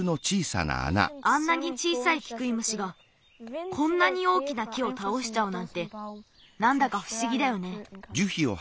あんなに小さいキクイムシがこんなに大きな木をたおしちゃうなんてなんだかふしぎだよね。